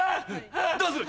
どうする？